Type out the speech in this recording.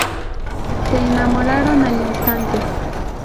Se enamoraron al instante.